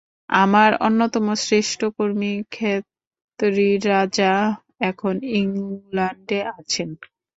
আমার অন্যতম শ্রেষ্ঠ কর্মী খেতড়ির রাজা এখন ইংলণ্ডে আছেন।